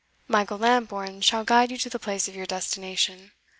Michael Lambourne shall guide you to the place of your destination."